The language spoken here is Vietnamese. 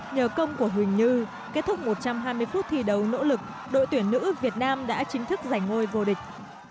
nhờ công của huỳnh như kết thúc một trăm hai mươi phút thi đấu nỗ lực đội tuyển nữ việt nam đã chính thức giành ngôi vô địch